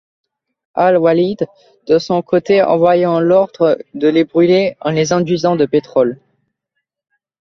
Al-Walîd de son côté envoya l'ordre de les brûler en les enduisant de pétrole.